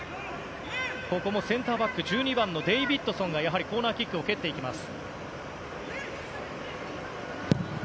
ここもセンターバック１２番のデイビッドソンがコーナーキックを蹴ります。